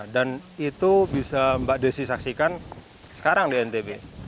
dan itu mbak desy saksikan sekarang di ntb